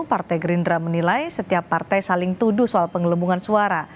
partai gerindra menilai setiap partai saling tuduh soal pengelubungan suara